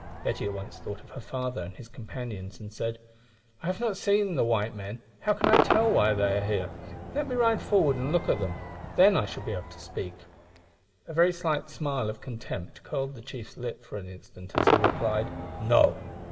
Betty at once thought of her father and his companions, and said "I have not seen the white men. How can I tell why they are here? Let me ride forward and look at them then I shall be able to speak." A very slight smile of contempt curled the chiefs lip for an instant as he replied "No.